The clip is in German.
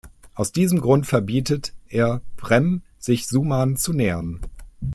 Aus diesem Grund verbietet er Prem, sich Suman zu nähern.